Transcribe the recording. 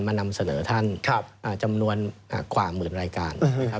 มานำเสนอท่านจำนวนกว่าหมื่นรายการ